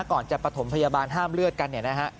ก่อนจะประถมพยาบาลห้ามเลือดกันเนี่ยนะฮะ